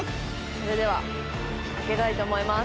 それでは開けたいと思います